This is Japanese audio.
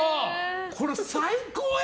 これ、最高や！